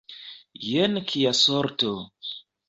Jen kia sorto!